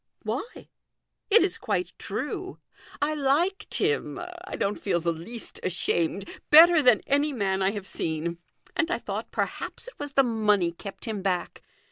" Why ? it is quite true. I liked him I don't feel the least ashamed better than any man I have seen ; and I thought, perhaps, it was the money kept him back.